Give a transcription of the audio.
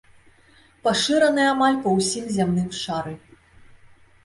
Пашыраны амаль па ўсім зямным шары.